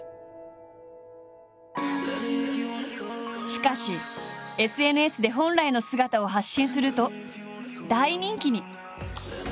しかしＳＮＳで本来の姿を発信すると大人気に。